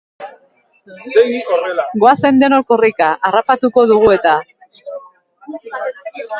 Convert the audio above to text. Goazen denok korrika, harrapatuko dugu eta!